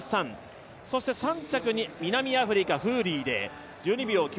そして３着に南アフリカ、フーリーで１２秒